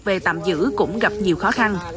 về tạm giữ cũng gặp nhiều khó khăn